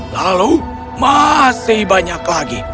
lalu masih banyak lagi